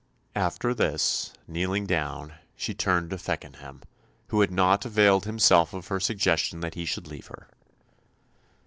After this, kneeling down, she turned to Feckenham, who had not availed himself of her suggestion that he should leave her.